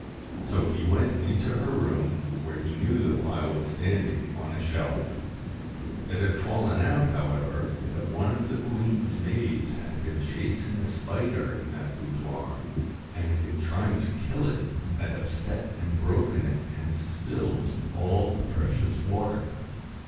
So he went into her 181 THE FAIR room, where he knew was the phial standing on MAID a shelf. GOLDEN Ifc *? ad fallen out, however, that one of the queen's LOCKS maids had been chasing a spider in that boudoir, and in trying to kill it had upset and broken it, and spilled all the precious water.